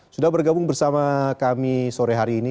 sudah bergabung bersama kami sore hari ini